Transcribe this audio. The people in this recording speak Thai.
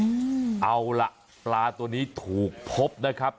เอาล่ะปลาตัวนี้ถูกพบนะครับ